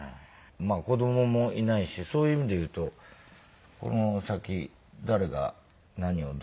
まあ子どももいないしそういう意味でいうとこの先誰が何をどうねえ？